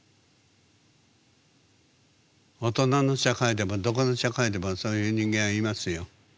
大人の社会でもどこの社会でもそういう人間はいますよ。